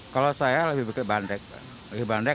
kalau saya lebih pakai banderik